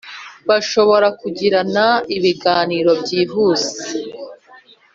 bashobora kugirana ibiganiro byihuse